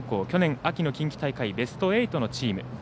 去年秋の近畿大会ベスト４のチーム。